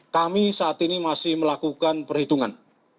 kami saat ini masih melakukan perhitungan